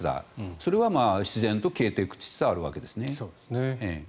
それは必然と消えていきつつあるんですね。